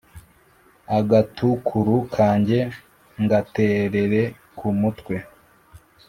Agatukuru kanjye ngaterere ku mutwe